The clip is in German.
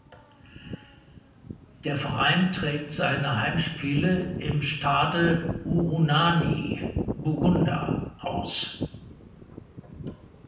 Der Verein trägt seine Heimspiele im Stade Urunani (Buganda) aus.